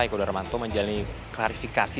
eko darmanto menjalani klarifikasi